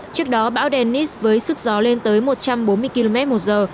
trước đó bão dennis với sức gió lên tới một trăm bốn mươi km một giờ